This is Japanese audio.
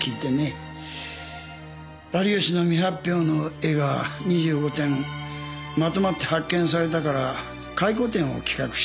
有吉の未発表の絵が２５点まとまって発見されたから回顧展を企画している。